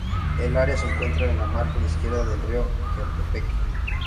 El área se encuentra en la margen izquierda del río Jequetepeque.